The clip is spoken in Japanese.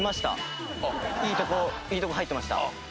いいとこいいとこ入ってました。